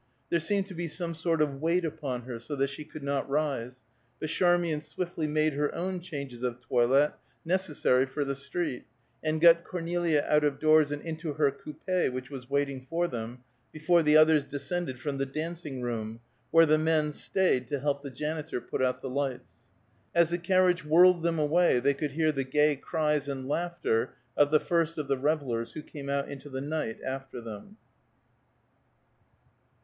There seemed to be some sort of weight upon her, so that she could not rise, but Charmian swiftly made her own changes of toilet necessary for the street, and got Cornelia out of doors and into her coupé which was waiting for them, before the others descended from the dancing room, where the men staid to help the janitor put out the lights. As the carriage whirled them away, they could hear the gay cries and laughter of the first of the revellers who came out into the night after them.